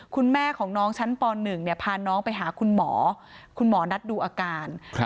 คุณแม่ของน้องชั้นปหนึ่งเนี้ยพาน้องไปหาคุณหมอคุณหมอนัดดูอาการครับ